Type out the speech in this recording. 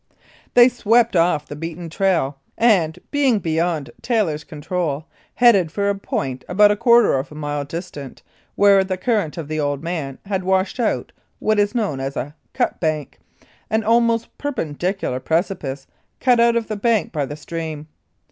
They swept off the beaten trail and, being beyond Taylor's control, headed for a point about a quarter of a mile distant, where the current of the "Old Man" had washed out what is known as a "cut bank," an almost perpendicular precipice cut out of the bank by the stream.